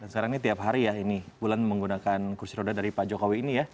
sekarang ini tiap hari ya ini bulan menggunakan kursi roda dari pak jokowi ini ya